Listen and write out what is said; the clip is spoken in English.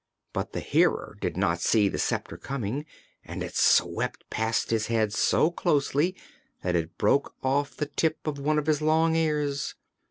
But the Hearer did not see the sceptre coming and it swept past his head so closely that it broke off the tip of one of his long ears.